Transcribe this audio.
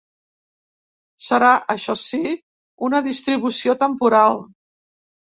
Serà, això sí, una distribució temporal.